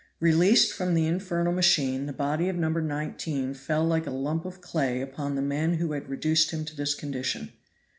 Released from the infernal machine, the body of No. 19 fell like a lump of clay upon the men who had reduced him to this condition.